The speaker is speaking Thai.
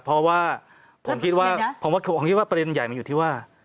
เพราะว่าผมคิดว่าผมคิดว่าประเด็นใหญ่มันอยู่ที่ว่า